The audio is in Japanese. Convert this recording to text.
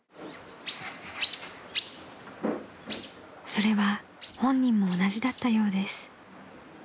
［それは本人も同じだったようです］